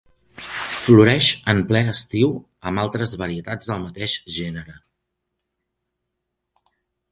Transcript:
Floreix en ple estiu amb altres varietats del mateix gènere.